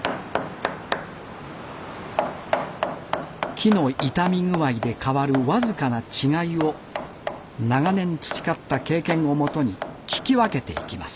木の傷み具合で変わる僅かな違いを長年培った経験をもとに聞き分けていきます。